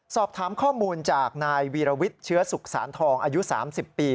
สอบถามข้อมูลจากนายวีรวิทย์เชื้อสุขสารทองอายุ๓๐ปี